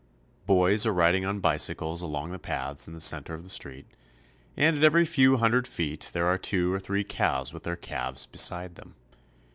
Boys are riding on bicycles along the paths in the center of the street, and at every few hundred feet there are two or three cows with their calves beside them.